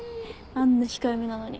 あんな控えめなのに。